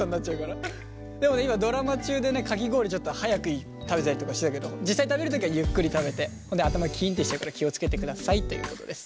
でもね今ドラマ中でねかき氷ちょっと速く食べたりとかしてたけど実際食べる時はゆっくり食べてそれで頭キンってしちゃうから気を付けてくださいということです。